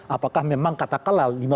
apakah memang katakanlah